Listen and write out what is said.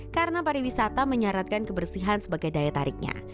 karena pariwisata menyaratkan kebersihan sebagai daya tariknya